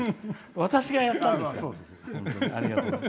私がやったんだから。